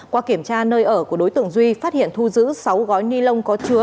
qua kiểm tra nơi ở của đối tượng duy phát hiện thu giữ sáu gói ni lông có chứa